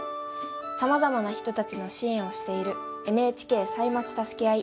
さまざまな人たちの支援をしている「ＮＨＫ歳末たすけあい」。